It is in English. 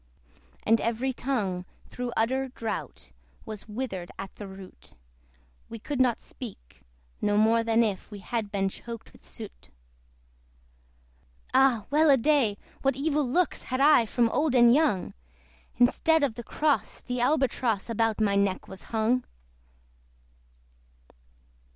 And every tongue, through utter drought, Was withered at the root; We could not speak, no more than if We had been choked with soot. Ah! well a day! what evil looks Had I from old and young! Instead of the cross, the Albatross About my neck was hung.